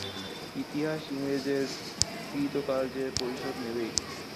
ইতিহাস ইংরেজের কৃতকার্যের প্রতিশোধ নেবেই।